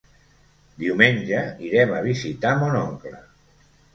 Diumenge irem a visitar mon oncle.